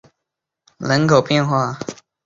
阿尔瑟南人口变化图示